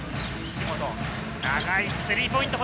岸本、長いスリーポイント！